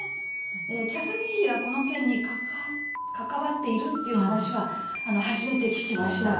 キャサリン妃がこの件に関わっているって話は、初めて聞きました。